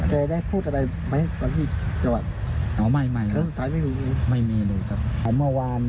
เจอได้พูดอะไรไหมตอนที่จังหวัดไม่ไม่มีเลยครับอ่ะเมื่อวาน